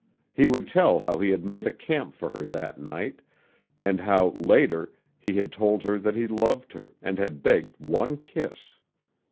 He would tell how he had made a camp for her that night, and how, later, he had told her that he loved her and had begged one kiss.